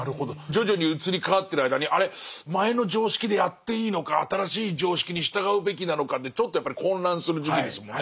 徐々に移り変わってる間にあれっ前の常識でやっていいのか新しい常識に従うべきなのかでちょっとやっぱり混乱する時期ですもんね。